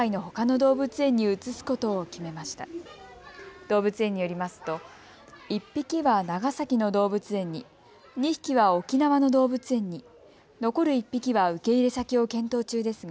動物園によりますと１匹は長崎の動物園に、２匹は沖縄の動物園に、残る１匹は受け入れ先を検討中ですが